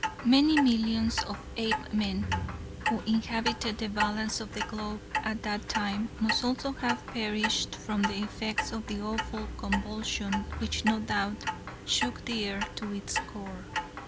"Many millions of Apemen who inhabited the balance of the globe at that time must also have perished from the effects of the awful convulsion which no doubt shook the earth to its core.